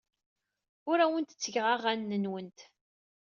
Ur awent-ttgeɣ aɣanen-nwent.